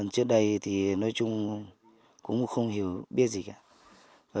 trước đây thì nói chung cũng không hiểu biết gì cả